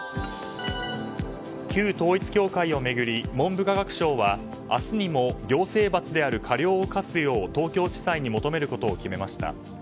旧統一教会を巡り文部科学省は明日にも行政罰である過料を科すよう東京地裁に求めることを決めました。